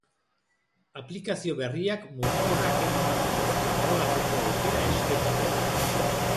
Aplikazio berriak mugikorra keinuen bidez kontrolatzeko aukera eskainiko du.